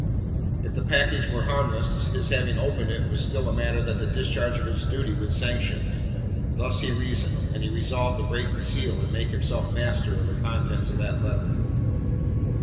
If the package were harmless his having opened it was still a matter that the discharge of his duty would sanction. Thus he reasoned; and he resolved to break the seal and make himself master of the contents of that letter.